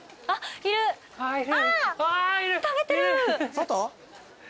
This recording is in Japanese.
外？